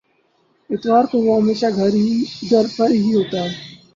اتوار کو وہ ہمیشہ گھر پر ہی ہوتا ہے۔